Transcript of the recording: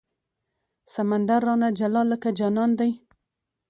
سمندر رانه جلا لکه جانان دی